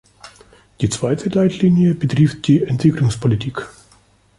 Die zweite Leitlinie betrifft die Entwicklungspolitik.